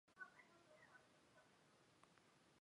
这倒是真